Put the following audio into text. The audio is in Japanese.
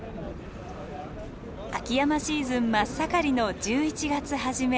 秋山シーズン真っ盛りの１１月初め。